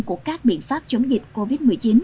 của các biện pháp chống dịch covid một mươi chín